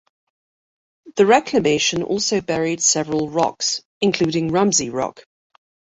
The reclamation also buried several rocks, including Rumsey Rock.